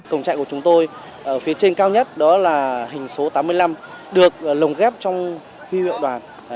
cổng chạy của chúng tôi ở phía trên cao nhất đó là hình số tám mươi năm được lồng ghép trong huy hiệu đoàn